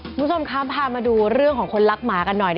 คุณผู้ชมครับพามาดูเรื่องของคนรักหมากันหน่อย